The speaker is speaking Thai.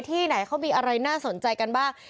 ที่ไหนเขามีอะไรน่าสนใจกันบ้าง